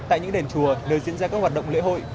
tại những đền chùa nơi diễn ra các hoạt động lễ hội